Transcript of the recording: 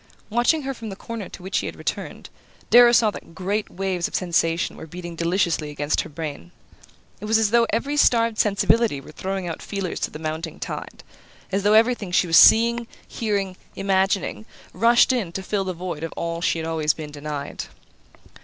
Watching her from the corner to which he had returned, Darrow saw that great waves of sensation were beating deliciously against her brain. It was as though every starved sensibility were throwing out feelers to the mounting tide; as though everything she was seeing, hearing, imagining, rushed in to fill the void of all she had always been denied.